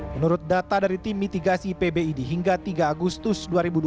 menurut data dari tim mitigasi pbid hingga tiga agustus